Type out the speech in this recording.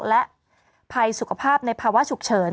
และภัยสุขภาพในภาวะฉุกเฉิน